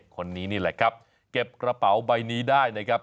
คนนี้นี่แหละครับเก็บกระเป๋าใบนี้ได้นะครับ